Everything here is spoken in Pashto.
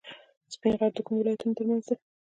سپین غر د کومو ولایتونو ترمنځ دی؟